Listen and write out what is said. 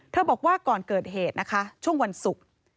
เธอบอกว่าก่อนเกิดเหตุช่วงวันศุกร์